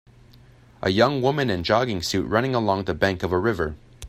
A young woman in jogging suit running along the bank of a river.